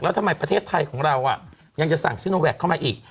แล้วทำไมประเทศไทยของเรายังจะสั่งซิโนแวคเข้ามาอีก